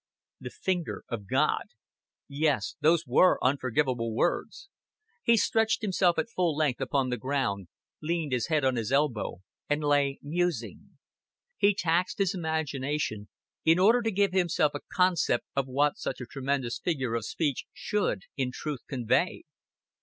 "The finger of God" Yes, those were unforgivable words. He stretched himself at full length upon the ground, leaned his head on his elbow, and lay musing. He taxed his imagination in order to give himself a concept of what such a tremendous figure of speech should in truth convey.